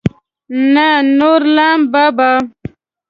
نه نورلام بابا.